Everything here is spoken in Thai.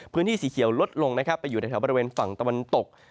พื้นที่สีเขียวลดลงไปอยู่ในบริเวณฝั่งตะวันตก